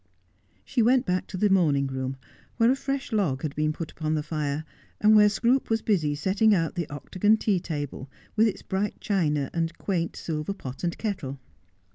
She went back to the morning room, where a fresh log had been put upon the fire, and where Scroope was busy setting out the octagon tea table, with its bright china, and quaint silver pot and kettle.